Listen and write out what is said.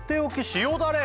塩だれ！